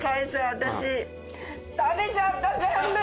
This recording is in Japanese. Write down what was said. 私食べちゃった全部！